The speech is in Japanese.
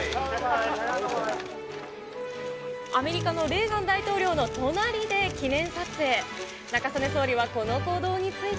アメリカのレーガン大統領の隣で記念撮影。